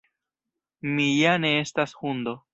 Mi ja ne estas hundo!